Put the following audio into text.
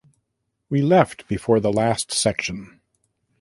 We left before the last section.